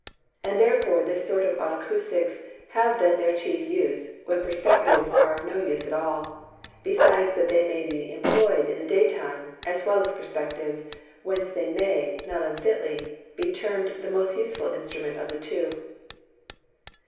And therefore this sort of Otacousticks have then their chief use, when Perspectives are of no use at all; besides that they may be imploy'd in the Day time, as well as Perspectives, whence they may (not unfitly) be term'd the most useful Instrument of the two.